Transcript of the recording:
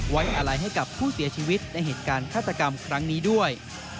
ไว้อะไรให้กับผู้เสียชีวิตในเหตุการณ์ฆาตกรรมครั้งนี้ด้วย